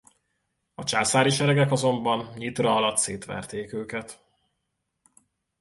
A császári seregek azonban Nyitra alatt szétverték őket.